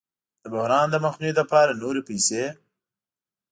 د بحران د مخنیوي لپاره نورې پیسې